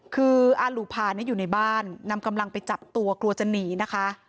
คืออาหลูพาอยู่ในบ้านนำกำลังไปจับตัวกลัวกลัวจะหนีนะคะ